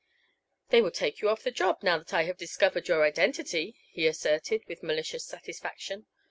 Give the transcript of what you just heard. "They will take you off the job, now that I have discovered your identity," he asserted, with malicious satisfaction.